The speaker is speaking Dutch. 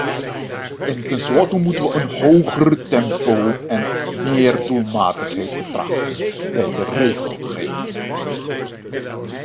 En tenslotte moeten we een hoger tempo en meer doelmatigheid betrachten bij de regelgeving.